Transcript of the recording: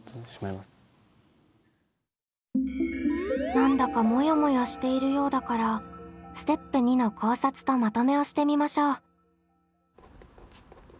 何だかモヤモヤしているようだからステップ２の考察とまとめをしてみましょう。